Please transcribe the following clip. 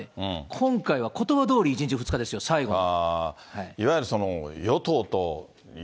今回はことばどおり、１日、２日ですよ、最後は。